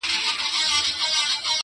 د همزولو په ټولۍ کي ګلدسته یم -